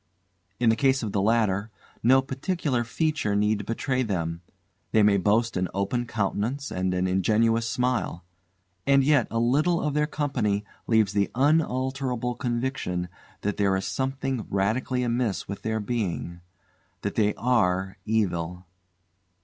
In the case of the latter, no particular feature need betray them; they may boast an open countenance and an ingenuous smile; and yet a little of their company leaves the unalterable conviction that there is something radically amiss with their being: that they are evil.